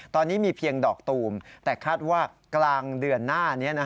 ตอนนี้มีเพียงดอกตูมแต่คาดว่ากลางเดือนหน้านี้